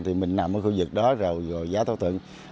thì mình nằm ở khu vực đó rồi giá tối tượng